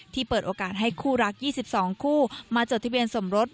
เปิดโอกาสให้คู่รัก๒๒คู่มาจดทะเบียนสมรส